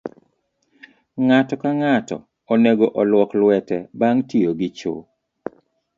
Ng'ato ka ng'ato onego olwok lwete bang' tiyo gi cho.